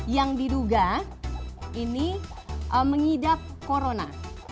yang diduga ini mengidap corona